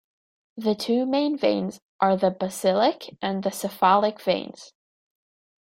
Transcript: The two main veins are the basilic and the cephalic veins.